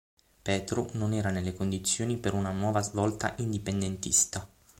Petru non era nelle condizioni per una nuova svolta indipendentista.